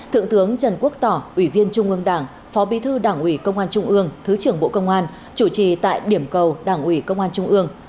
thượng tướng trần quốc tỏ ủy viên trung ương đảng phó bí thư đảng ủy công an trung ương thứ trưởng bộ công an chủ trì tại điểm cầu đảng ủy công an trung ương